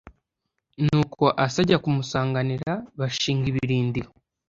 Nuko Asa ajya kumusanganira bashinga ibirindiro